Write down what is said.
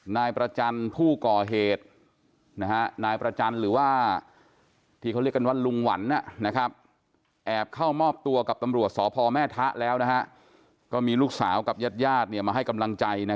นายประจันทร์ผู้ก่อเหตุนะฮะนายประจันทร์หรือว่า